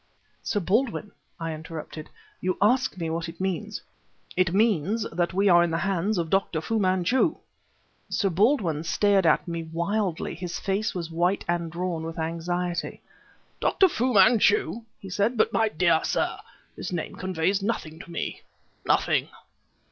"Sir Baldwin," I interrupted, "you ask me what it means. It means that we are in the hands of Dr. Fu Manchu!" Sir Baldwin stared at me wildly; his face was white and drawn with anxiety. "Dr. Fu Manchu!" he said; "but my dear sir, this name conveys nothing to me nothing!"